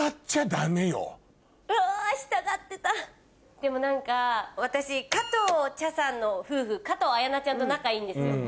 でも何か私加藤茶さんの夫婦加藤綾菜ちゃんと仲いいんですよ。